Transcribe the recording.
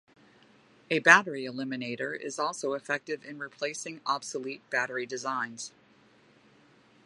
A battery eliminator is also effective in replacing obsolete battery designs.